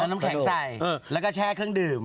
น้ำแข็งใส่แล้วก็แช่เครื่องดื่ม